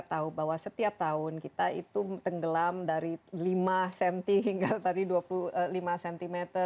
kita tahu bahwa setiap tahun kita itu tenggelam dari lima cm hingga tadi dua puluh lima cm